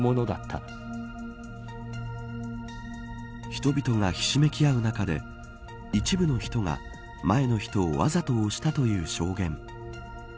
人々がひしめき合う中で一部の人が前の人をわざと押したという証言。